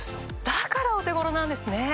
だからお手頃なんですね。